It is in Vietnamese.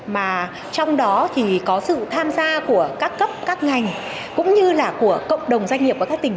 mà trong đó thì có sự tham gia của các cấp các ngành cũng như là của cộng đồng doanh nghiệp của các tỉnh